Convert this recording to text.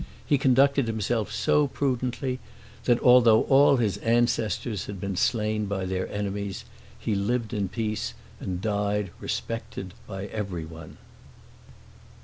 He conducted himself so prudently, that although all his ancestors had been slain by their enemies, he lived in peace and died respected by everyone.